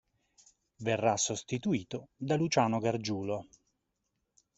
Verrà sostituito da Luciano Gargiulo.